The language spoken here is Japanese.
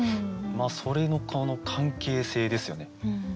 それのこの関係性ですよね。